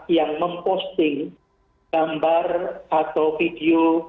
yang memposting gambar atau video